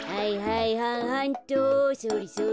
それそれ。